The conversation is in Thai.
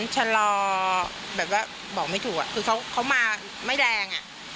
ชะลอแบบว่าบอกไม่ถูกคือเขามาไม่แดงอ่ะ